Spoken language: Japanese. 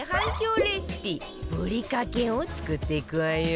レシピぶりかけを作っていくわよ